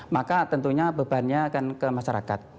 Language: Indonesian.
maka tentunya bebannya akan ke masyarakat